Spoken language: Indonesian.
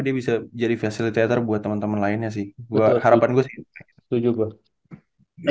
dia bisa jadi fasilitator buat teman teman lainnya sih gua harapan gue sih setuju gue